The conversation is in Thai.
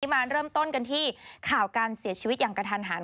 มาเริ่มต้นกันที่ข่าวการเสียชีวิตอย่างกระทันหัน